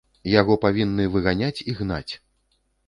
Яго павінны выганяць і гнаць.